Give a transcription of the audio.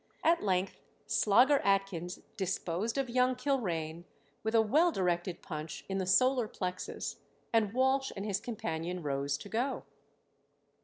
At length Slogger Atkins disposed of Young Kilrain with a well directed punch in the solar plexus, and Walsh and his companion rose to go.